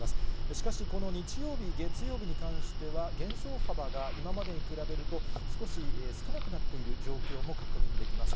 しかしこの日曜日、月曜日に関しては減少幅が今までに比べると、少し少なくなっている状況も確認できます。